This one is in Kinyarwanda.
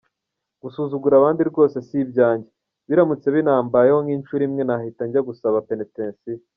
Gusuzugura abandi rwose si ibyanjye; biramutse binambayeho nk’incuro imwe, nahita njya gusaba penetensiya !